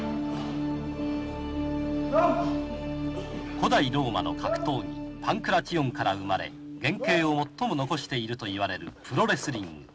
古代ローマの格闘技パンクラチオンから生まれ原形を最も残していると言われるプロレスリング。